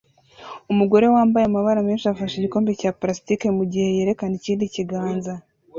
Umugore wambaye amabara menshi afashe igikombe cya plastiki mugihe yerekana ikindi kiganza